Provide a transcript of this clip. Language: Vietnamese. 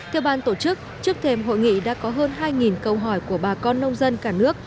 theo ban tổ chức trước thêm hội nghị đã có hơn hai câu hỏi của bà con nông dân cả nước